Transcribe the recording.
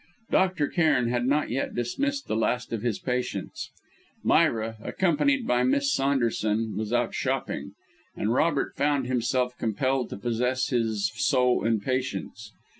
Dr. Cairn had not yet dismissed the last of his patients; Myra, accompanied by Miss Saunderson, was out shopping; and Robert found himself compelled to possess his soul in patience.